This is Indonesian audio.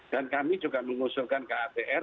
dan kami juga mengusulkan ke apr